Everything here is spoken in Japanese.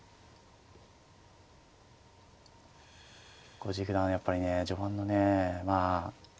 藤井九段はやっぱり序盤のねまあ四間飛車